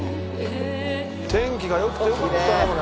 「天気が良くてよかったねこれ」